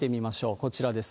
こちらです。